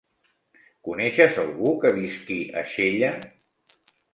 Coneixes algú que visqui a Xella?